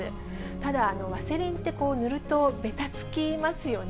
ただ、ワセリンって、塗ると、べたつきますよね。